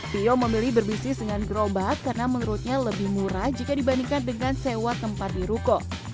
tio memilih berbisnis dengan gerobak karena menurutnya lebih murah jika dibandingkan dengan sewa tempat di ruko